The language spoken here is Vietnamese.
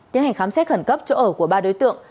tiến hành khám xét khẩn cấp chỗ ở của ba đối tượng